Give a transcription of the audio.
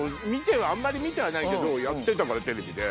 あんまり見てはないけどやってたからテレビで。